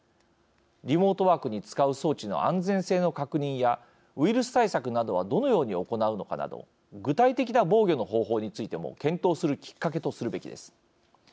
リモートワークに使う装置の安全性の確認やウイルス対策などはどのように行うのかなど具体的な防御の方法についても検討するきっかけとするべきです。